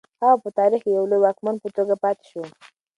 هغه په تاریخ کې د یو لوی واکمن په توګه پاتې شو.